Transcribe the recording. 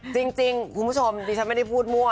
จริงคุณผู้ชมดิฉันไม่ได้พูดมั่ว